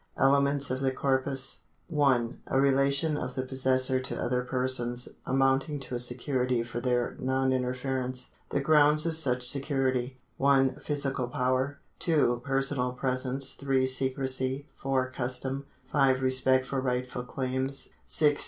Elements of the corpus : 1. A relation of the possessor to other persons, amounting to a security for their non interference. The grounds of such security : 1. Physical power. 2. Personal presence. 3. Secrecy. 4. Custom. 5. Respect for rightful claims. • 6.